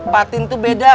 patin tuh beda